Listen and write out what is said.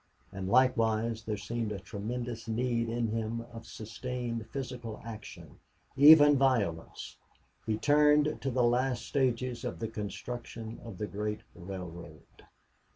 And likewise there seemed a tremendous need in him of sustained physical action, even violence. He turned to the last stages of the construction of the great railroad.